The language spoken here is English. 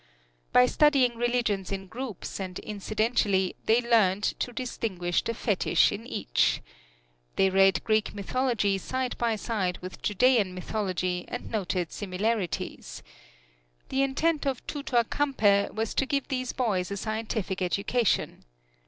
By studying religions in groups and incidentally, they learned to distinguish the fetish in each. They read Greek mythology side by side with Judean mythology and noted similarities. The intent of Tutor Campe was to give these boys a scientific education.